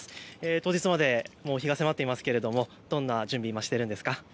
当日まで日が迫っていますがどんな準備しているんですか。